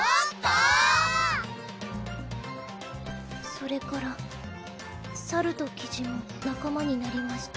「それから猿とキジも仲間になりました」